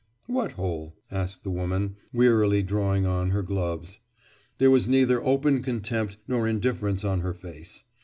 "What hole?" asked the woman, wearily drawing on her gloves. There was neither open contempt nor indifference on her face.